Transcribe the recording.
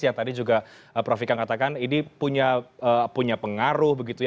yang tadi juga prof vika katakan ini punya pengaruh begitu ya